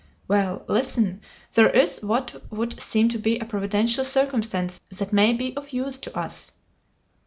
"Well, listen. There is what would seem to be a Providential circumstance that may be of use to us."